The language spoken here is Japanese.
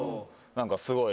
何かすごい。